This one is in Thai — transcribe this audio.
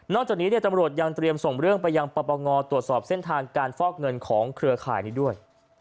จากนี้ตำรวจยังเตรียมส่งเรื่องไปยังปปงตรวจสอบเส้นทางการฟอกเงินของเครือข่ายนี้ด้วย